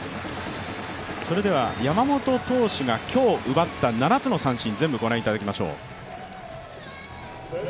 山本投手が今日奪った７つの三振全部ご覧いただきましょう。